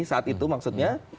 saat itu maksudnya